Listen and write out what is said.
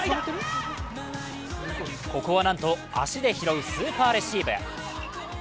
ここはなんと足で拾うスーパーレシーブ。